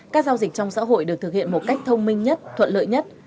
các giao dịch trong xã hội được thực hiện một cách thông minh nhất thuận lợi nhất